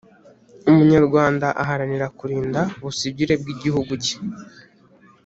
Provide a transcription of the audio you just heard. Umunyarwanda aharanira kurinda ubusugire bw'Igihugu ke